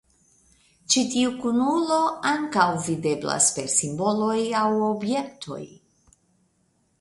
Ĉi tiu kunulo ankaŭ videblas per simboloj aŭ objektoj.